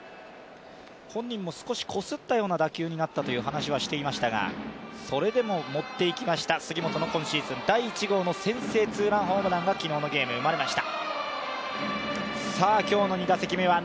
本人も少しこすったような打球になったという話をしていましたが、それでも持って行きました杉本の今シーズン第１号の先制ツーランホームランが、昨日のゲーム、生まれました。